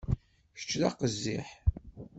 Kečč d aqziḥ.